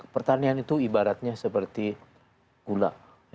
pertanian itu ibaratnya seperti gula